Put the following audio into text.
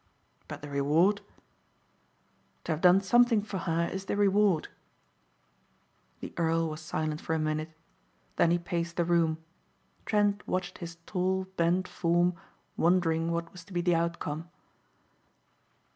"But the reward?" "To have done something for her is the reward." The earl was silent for a minute. Then he paced the room. Trent watched his tall, bent form wondering what was to be the outcome.